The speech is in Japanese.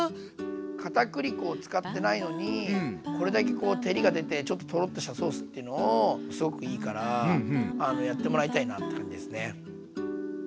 かたくり粉を使ってないのにこれだけこう照りが出てちょっとトロッとしたソースっていうのをすごくいいからやってもらいたいなって感じですね。